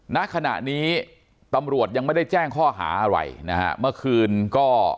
ณขณะนี้ตำรวจยังไม่ได้แจ้งข้อหาอะไรนะฮะเมื่อคืนก็